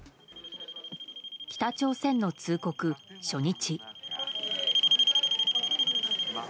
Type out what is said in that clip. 北朝鮮の通告初日。